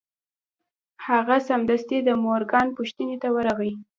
هغه سمدستي د مورګان پوښتنې ته ورغی